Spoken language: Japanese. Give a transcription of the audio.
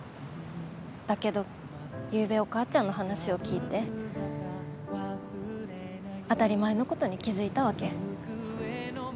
だけどゆうべお母ちゃんの話を聞いて当たり前のことに気付いたわけ。